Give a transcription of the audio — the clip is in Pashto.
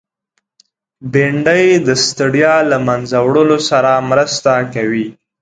بېنډۍ د ستړیا له منځه وړلو سره مرسته کوي